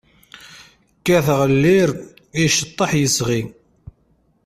Kkateɣ llir, iceṭṭaḥ yesɣi.